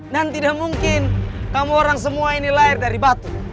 dan tidak mungkin kamu semua ini lahir dari batu